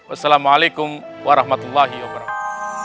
wassalamualaikum warahmatullahi wabarakatuh